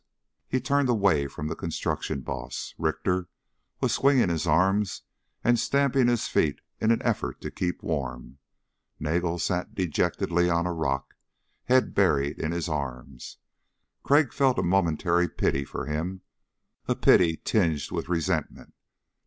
He turned away from the construction boss. Richter was swinging his arms and stamping his feet in an effort to keep warm. Nagel sat dejectedly on a rock, head buried in his arms. Crag felt a momentary pity for him a pity tinged with resentment.